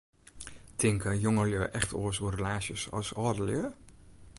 Tinke jongelju echt oars oer relaasjes as âldelju?